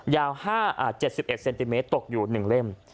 ยาว๗๑๑เซนติเมตรศูนย์ตกอยู่๑เล่ม